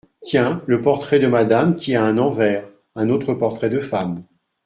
Tiens ! le portrait de Madame qui a un envers, un autre portrait de femme !